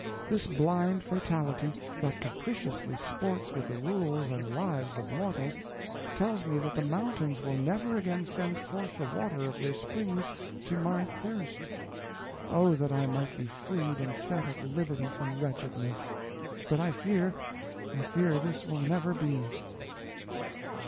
This blind fatality, that capriciously sports with the rules and lives of mortals, tells me that the mountains will never again send forth the water of their springs to my thirst. Oh, that I might be freed and set at liberty from wretchedness! But I fear, I fear this will never be.